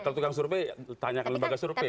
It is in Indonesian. kalau tukang survei tanyakan lembaga survei